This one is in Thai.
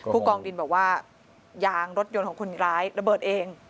กองดินบอกว่ายางรถยนต์ของคนร้ายระเบิดเอง